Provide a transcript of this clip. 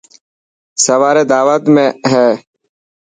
سواري داوت ۾هي.